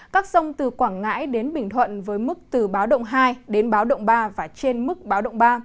các sông từ quảng ngãi đến bình thuận với mức từ báo động hai đến báo động ba và trên mức báo động ba